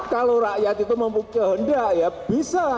kalau rakyat itu mempunyai kehendak ya bisa